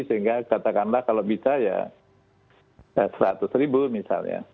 sehingga katakanlah kalau bisa ya seratus ribu misalnya